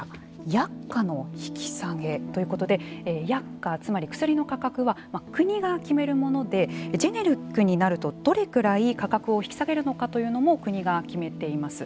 薬価の引き下げということで薬価、つまり薬の価格は国が決めるものでジェネリックになるとどれくらい価格を引き下げるのかというのも国が決めています。